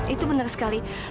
itu benar sekali